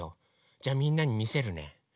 じゃみんなにみせるね。